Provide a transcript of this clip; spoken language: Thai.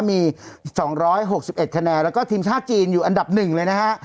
มีสองร้อยหกสิบเอ็ดคะแนนแล้วก็ทีมชาติจีนอยู่อันดับหนึ่งเลยนะฮะ